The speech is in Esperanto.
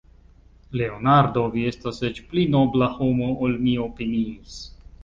Leonardo, vi estas eĉ pli nobla homo, ol mi opiniis.